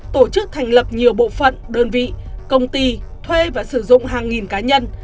tổ chức thành lập nhiều bộ phận đơn vị công ty thuê và sử dụng hàng nghìn cá nhân